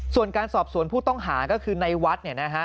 ส่วนการสอบสวนผู้ต้องหาก็คือในวัด